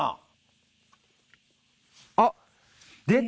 あっ出た！